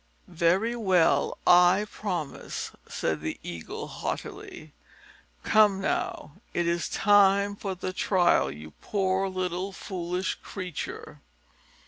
"Very well. I promise," said the Eagle haughtily. "Come now, it is time for the trial, you poor little foolish creature."